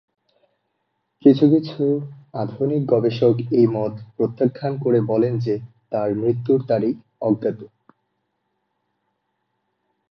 কিন্তু কিছু আধুনিক গবেষক এই মত প্রত্যাখ্যান করে বলেন যে তার মৃত্যুর তারিখ অজ্ঞাত।